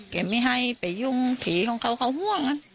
แกไม่ให้ไปยุ่งฝีของเขาอยู่